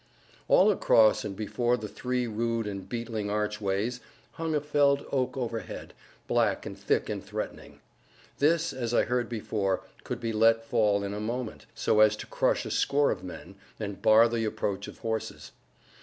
All across and before the three rude and beetling archways hung a felled oak overhead, black and thick and threatening. This, as I heard before, could be let fall in a moment, so as to crush a score of men, and bar the approach of horses.